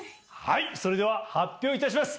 それでは発表いたします！